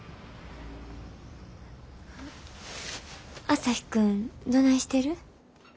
朝陽君どないしてる？